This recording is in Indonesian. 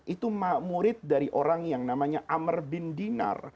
itu murid dari orang yang namanya amr bin dinar